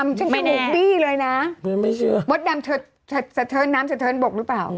ไม่แน่น่ะไม่เชื่อมดดำเธอสะเทินน้ำสะเทินบกหรือเปล่า